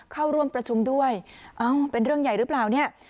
เข้าร่วมประชุมด้วยเอ้าเป็นเรื่องใหญ่หรือเปล่าเนี่ย